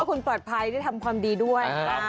คุณปลอดภัยได้ทำความดีด้วย